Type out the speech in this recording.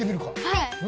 はい。